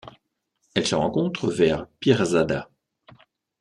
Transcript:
Elle se rencontre vers Pirzada.